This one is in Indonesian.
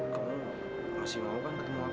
kamu masih mau kan ketemu aku